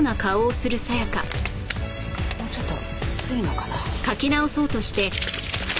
もうちょっと薄いのかな。